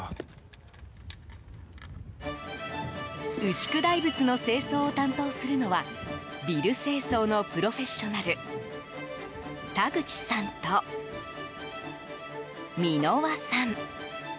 牛久大仏の清掃を担当するのはビル清掃のプロフェッショナル田口さんと箕輪さん。